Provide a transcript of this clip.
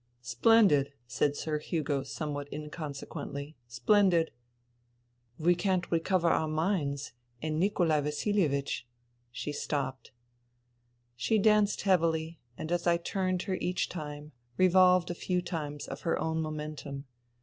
" Splendid !" said Sir Hugo somewhat incon sequently. " Splendid I "" We simply can't recover our mines, and Nikolai Vasilievich '' She stopped. ... She danced heavily ; and as I turned her each time, revolved a few times of her own momentum.